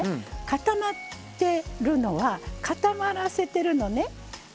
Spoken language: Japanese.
固まってるのは固まらせてるのね。